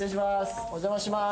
お邪魔します